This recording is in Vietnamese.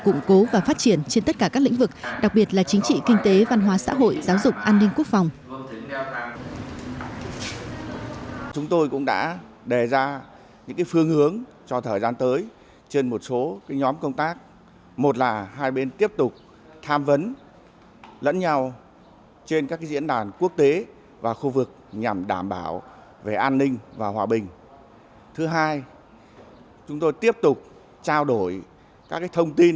cụng cố và phát triển trên tất cả các lĩnh vực đặc biệt là chính trị kinh tế văn hóa xã hội giáo dục an ninh quốc phòng